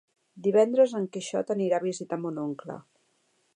Divendres en Quixot anirà a visitar mon oncle.